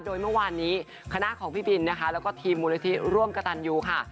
โดยเมื่อวานนี้คณะของพี่บินนะคะแล้วก็ทีมมูลนิธิร่วมกระตันยูค่ะ